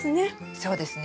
そうですね。